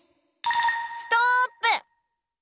ストップ。